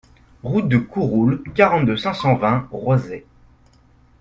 Route de Couroulle, quarante-deux, cinq cent vingt Roisey